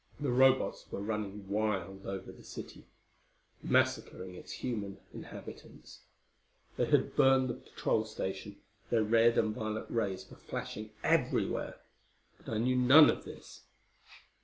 The Robots were running wild over the city, massacring its human inhabitants; they had burned the Patrol Station; their red and violet rays were flashing everywhere. But I knew none of this.